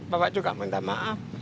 bapak juga minta maaf